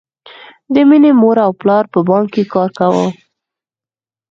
د مینې مور او پلار په بانک کې کار کاوه